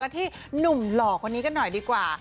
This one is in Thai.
และที่หนุ่มหลอกวันนี้ก็หน่อยดีกว่า